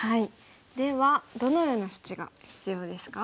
ではどのような処置が必要ですか？